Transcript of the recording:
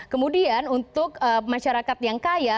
kemudian untuk masyarakat yang kaya